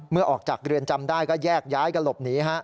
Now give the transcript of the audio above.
เมื่อออกจากเรือนจำได้ก็แยกย้ายกันหลบหนี